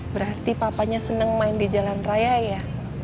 berarti papanya senang main di jalan raya ya